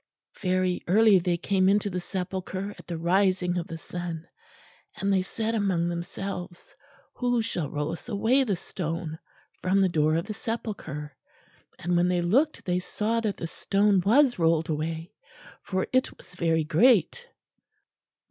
_' "'Very early they came unto the sepulchre at the rising of the sun; and they said among themselves, Who shall roll us away the stone from the door of the sepulchre? And when they looked, they saw that the stone was rolled away, for it was very great.'...